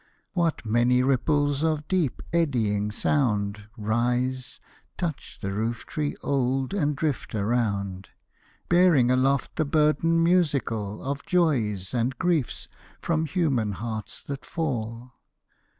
"What mazy ripples of deep, eddying sound, Rise, touch the roof tree old, and drift around, "Bearing aloft the burden musical Of joys and griefs from human hearts that fall!